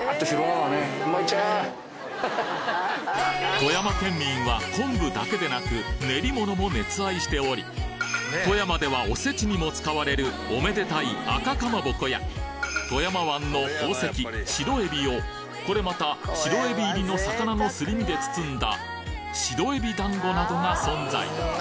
富山県民は昆布だけでなく練り物も熱愛しており富山ではおせちにも使われるおめでたい富山湾の宝石白海老をこれまた白海老入りの魚のすり身で包んだ白海老団子などが存在！